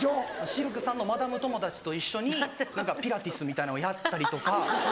シルクさんのマダム友達と一緒にピラティスみたいのをやったりとか。